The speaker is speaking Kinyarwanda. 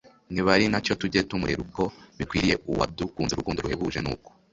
Nibari nta cyo tujye tumereruko bikwiriyUwadukunzurukundo ruhebuje Nuko